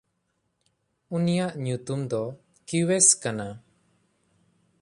ᱩᱱᱤᱭᱟᱜ ᱧᱩᱛᱩᱢ ᱫᱚ ᱠᱤᱣᱮᱥ ᱠᱟᱱᱟ᱾